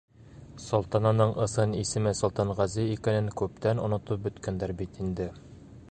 Солтанының ысын исеме Солтанғәзе икәнен күптән онотоп бөткәндәр бит инде.